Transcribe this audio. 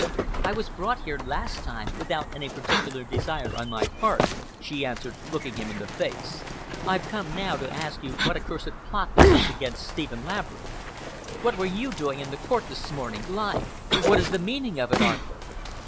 "I was brought here last time without any particular desire on my part," she answered, looking him in the face. "I've come now to ask you what accursed plot this is against Stephen Laverick? What were you doing in the court this morning, lying? What is the meaning of it, Arthur?"